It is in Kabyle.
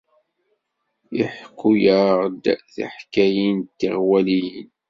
Iḥekku-aɣ-d tiḥkayin d tiɣwaliyin.